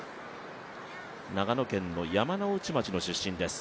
長野県山ノ内町の出身です。